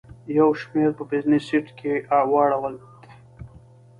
یو شمېر په بزنس سیټ کې واړول.